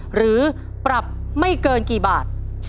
หรือปรับไม่เกินกี่บาท